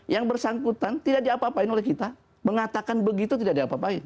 yang bersangkutan tidak diapa apain oleh kita mengatakan begitu tidak diapa apain